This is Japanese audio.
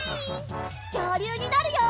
きょうりゅうになるよ！